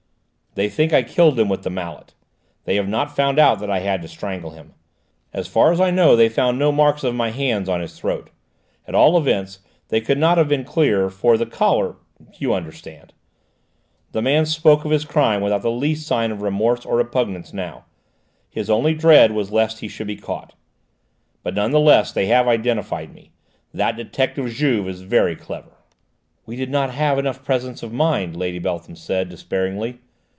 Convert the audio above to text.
"They think I killed him with the mallet. They have not found out that I had to strangle him. As far as I know, they found no marks of my hands on his throat. At all events, they could not have been clear, for his collar you understand." The man spoke of his crime without the least sign of remorse or repugnance now; his only dread was lest he should be caught. "But, none the less, they have identified me. That detective Juve is very clever." "We did not have enough presence of mind," Lady Beltham said despairingly.